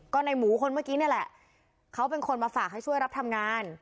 ก็ในหมูคนเมื่อกี้นี่แหละเขาเป็นคนมาฝากให้ช่วยรับทำงาน